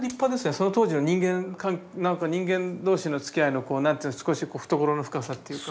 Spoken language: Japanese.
その当時の人間何か人間同士のつきあいの何というんですか少し懐の深さっていうか。